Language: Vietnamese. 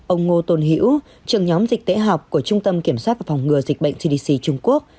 ông ngô tôn hữu trường nhóm dịch tễ học của trung tâm kiểm soát và phòng ngừa dịch bệnh cdc trung quốc